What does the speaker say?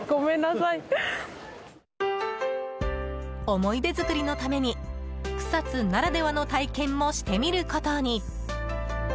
思い出作りのために草津ならではの体験もしてみることに。